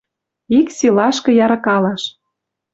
Ик силашкы ярыкалаш.